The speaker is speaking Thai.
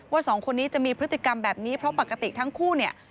สองคนนี้จะมีพฤติกรรมแบบนี้เพราะปกติทั้งคู่เนี่ย